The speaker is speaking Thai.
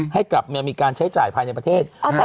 ให้กลับมามีการใช้จ่ายภายในประเทศ